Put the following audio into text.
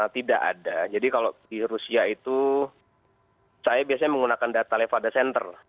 tidak ada jadi kalau di rusia itu saya biasanya menggunakan data levada center